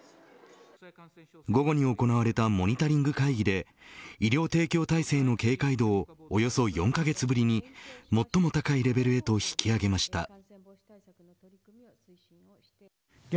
午後に行われたモニタリング会議で医療提供体制の警戒度をおよそ４カ月ぶりに最も高いレベルへと引き上げました。